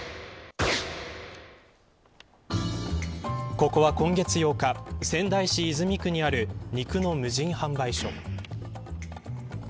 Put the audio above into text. ここは、今月８日仙台市泉区にある肉の無人販売所。